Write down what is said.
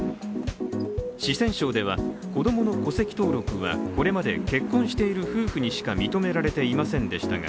四川省では、子供の戸籍登録はこれまで結婚している夫婦にしか認められていませんでしたが